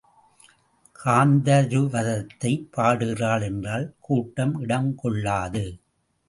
காந்தருவதத்தை பாடுகிறாள் என்றால் கூட்டம் இடம் கொள்ளாது.